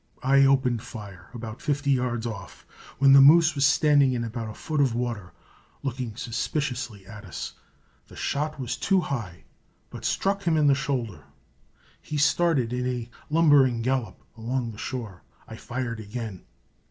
I opened fire about fifty yards off, when the moose was standing in about a foot of water, looking suspiciously at us. The shot was too high, but struck him in the shoulder. He started in a lumbering gallop along the shore. I fired again.